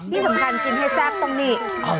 ที่สำคัญกินให้แซ่บต้องนี่